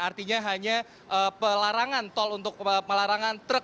artinya hanya pelarangan tol untuk pelarangan truk